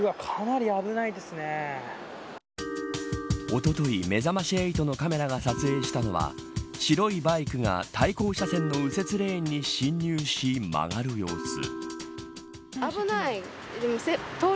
おととい、めざまし８のカメラが撮影したのは白いバイクが対向車線の右折レーンに進入し曲がる様子。